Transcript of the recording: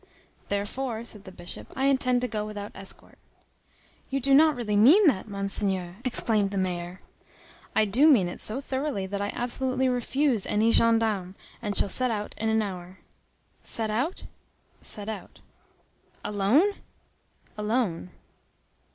"Therefore," said the Bishop, "I intend to go without escort." "You do not really mean that, Monseigneur!" exclaimed the mayor. "I do mean it so thoroughly that I absolutely refuse any gendarmes, and shall set out in an hour." "Set out?" "Set out." "Alone?" "Alone."